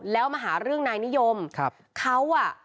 แล้วมาหารื่องนายนิยมเขาอะ